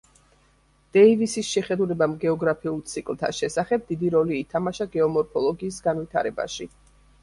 დეივისის შეხედულებამ გეოგრაფიულ ციკლთა შესახებ დიდი როლი ითამაშა გეომორფოლოგიის განვითარებაში.